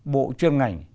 bộ chuyên ngành